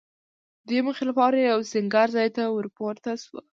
دې موخې لپاره یوه سینګار ځای ته ورپورته شوه.